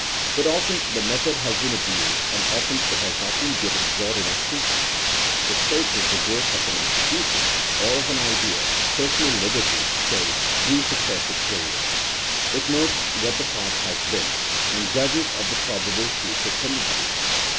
But often the method has been abused and often it has not been given broad enough treatment. It traces the growth of an institution, or of an idea — ^personal liberty, say, — ^through successive periods. It notes what the path has been, and judges of the probable future tendency.